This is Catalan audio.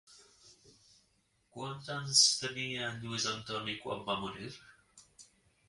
Quants anys tenia Lluís Antoni quan va morir?